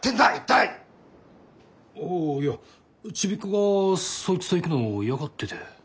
あいやちびっこがそいつと行くの嫌がってて。